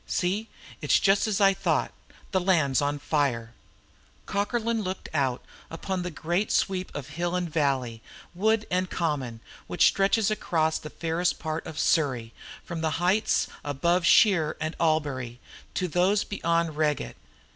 "See. it's just as I thought! The land's on fire!" Cockerlyne looked out upon the great sweep of hill and valley, wood and common which stretches across the fairest part of Surrey from the heights above Shere and Albury to those beyond Reigate.